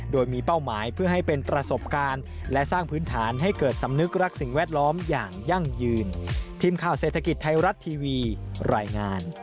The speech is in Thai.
โดยมีเป้าหมายเพื่อให้เป็นประสบการณ์